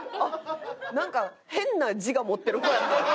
なんか変な自我持ってる子やな。